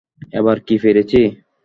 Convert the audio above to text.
এবার কি পেরেছি?